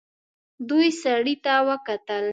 دوی سړي ته وکتل.